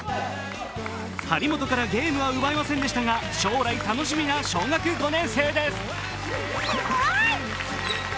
張本からゲームは奪えませんでしたが将来楽しみな小学５年生です。